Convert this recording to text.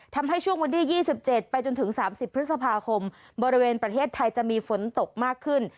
ช่วงวันที่๒๗ไปจนถึง๓๐พฤษภาคมบริเวณประเทศไทยจะมีฝนตกมากขึ้น